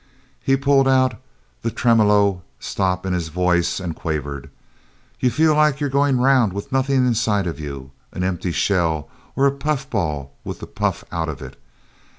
He pulled out the tremolo stop in his voice and quavered: "You feel like you're goin' 'round with nothin' inside of you a empty shell or a puff ball with the puff out of it.